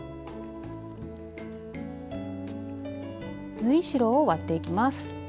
縫い代を割っていきます。